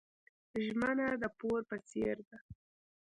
ژمنه د پور په څیر ده.